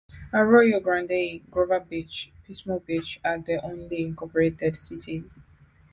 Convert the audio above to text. Arroyo Grande, Grover Beach, Pismo Beach are the only incorporated cities.